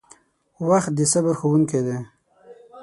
• وخت د صبر ښوونکی دی.